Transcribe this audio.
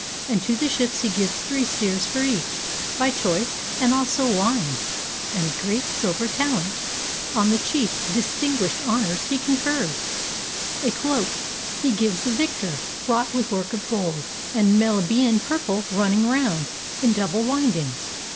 And to the ships he gives Three steers for each, by choice, and also wines. And a great silver talent. On the chiefs Distinguished honors he confers; a cloak He gives the victor, wrought with work of gold And Melibcean purple running round In double windings.